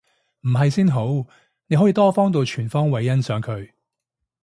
唔係先好，你可以多方度全方位欣賞佢